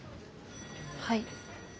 はい。